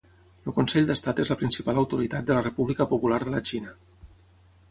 El Consell d'Estat és la principal autoritat de la República Popular de la Xina.